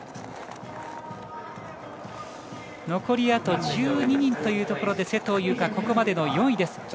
残り１２人というところで勢藤優花、ここまでの４位です。